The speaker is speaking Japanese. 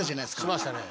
しましたね。